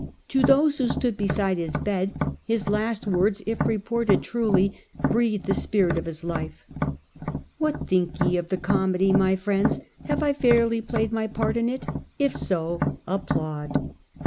To those who stood beside his bed Nola. his last words, if reported truly, breathe the spirit of his life : 'What think ye of the comedy, my friends 1 Have I fairly played my part in it ? If so, applaud.